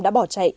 đã bỏ chạy